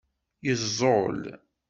Yeẓẓul.